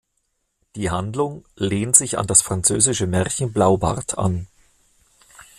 Die Handlung lehnt sich an das französische Märchen Blaubart an.